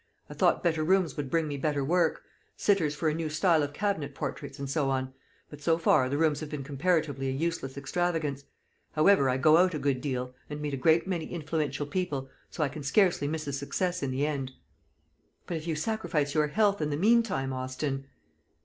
I thought better rooms would bring me better work sitters for a new style of cabinet portraits, and so on. But so far the rooms have been comparatively a useless extravagance. However, I go out a good deal, and meet a great many influential people; so I can scarcely miss a success in the end." "But if you sacrifice your health in the meantime, Austin."